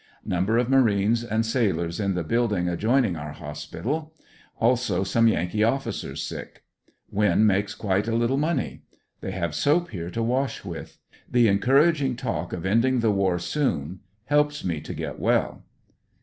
Number of marines and sailors in the build ing adjoining our hospital; also some Yankee officers sick. Winn makes quite a little money. They have soap here to wash with. The encouraging talk of ending the war soon helps me to get well.